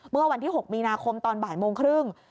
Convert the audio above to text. เมื่อวันที่๖มีนาคมตอนบ่ายโมงครึ่ง